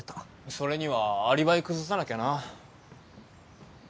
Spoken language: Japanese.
それにはアリバイ崩さなきゃな。